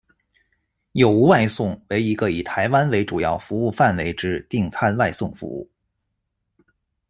有无外送为一个以台湾为主要服务范围之订餐外送服务。